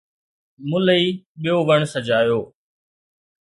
ملئي ٻيو وڻ سجايو